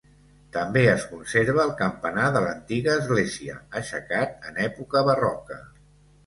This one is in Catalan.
També es conserva el campanar de l'antiga església, aixecat en època barroca.